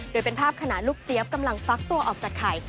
โดยเป็นภาพขณะลูกเจี๊ยบกำลังฟักตัวออกจากไข่